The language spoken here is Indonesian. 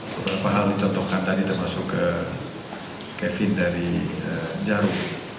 beberapa hal dicontohkan tadi termasuk ke kevin dari jarum